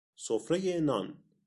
سفره نان